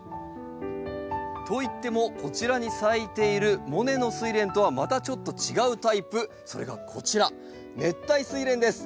といってもこちらに咲いているモネのスイレンとはまたちょっと違うタイプそれがこちら熱帯スイレンです。